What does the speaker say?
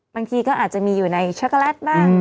บางทีก็อาจจะมีอยู่ในช็อกโกแลตบ้าง